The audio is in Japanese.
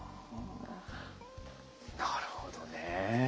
なるほどね。